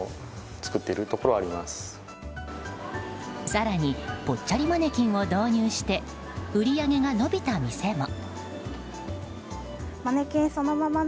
更にぽっちゃりマネキンを導入して売り上げが伸びた店も。